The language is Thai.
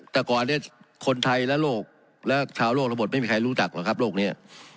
แต่ก่อนคนไทยและโรคและชาวโรคทั้งหมดไม่มีใครรู้จักหรอกครับโรคนี้